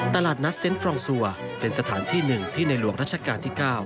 ตลาดนัดเซ็นต์ฟรองซัวเป็นสถานที่หนึ่งที่ในหลวงรัชกาลที่๙